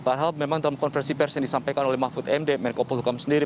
padahal memang dalam konversi pers yang disampaikan oleh mahfud md menko polhukam sendiri